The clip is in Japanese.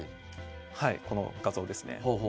この画像ですね。